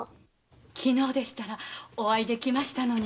昨日でしたらお会いできたのに。